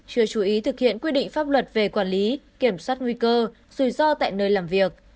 chưa chú ý thực hiện quy định pháp luật về quản lý kiểm soát nguy cơ rủi ro tại nơi làm việc